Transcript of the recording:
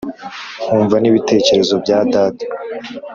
nkumva n’ibitekerezo bya data.